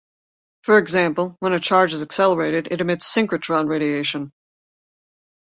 For example, when a charge is accelerated it emits synchrotron radiation.